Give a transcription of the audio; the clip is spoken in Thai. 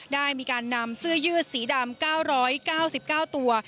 ได้มีการนำเสื้อยืดสีดำ๙๙๙ตัว